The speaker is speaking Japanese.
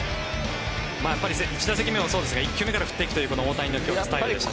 １打席目もそうですが１球目から振っていくという大谷のスタイルでしたね。